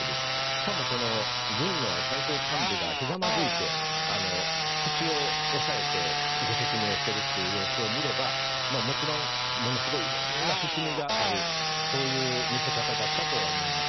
しかも、軍の最高幹部がひざまずいて口を押さえて説明している様子を見ればもちろん、ものすごいいろんな含みがある見せ方だったとは思います。